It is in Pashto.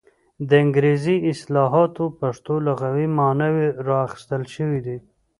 د انګریزي اصطلاحاتو پښتو لغوي ماناوې را اخیستل شوې دي.